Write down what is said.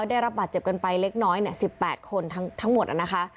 ได้รับบัตรเจ็บกันไปเล็กน้อยเนี่ยสิบแปดคนทั้งทั้งหมดน่ะนะคะ